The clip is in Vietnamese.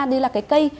đây là cái cây